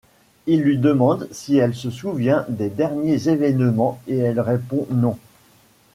Il lui demande si elle se souvient des derniers événements et elle répond non.